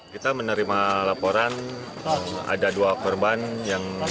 kemudian kita datang